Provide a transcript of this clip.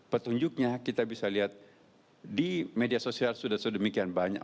petunjuknya kita bisa lihat di media sosial sudah sedemikian banyak